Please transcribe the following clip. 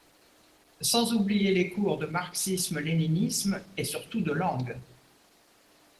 Sans oublier les cours de marxisme-léninisme et surtout de langues.